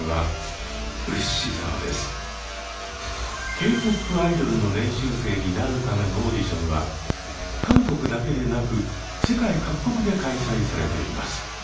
Ｋ−ＰＯＰアイドルの練習生になるためのオーディションは韓国だけでなく世界各国で開催されています。